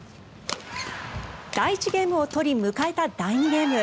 第１ゲームを取り迎えた第２ゲーム。